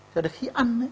cho đến khi ăn